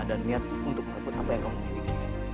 ada niat untuk melakukan apa yang kamu inginkan